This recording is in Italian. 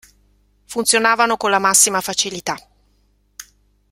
Funzionavano con la massima facilità.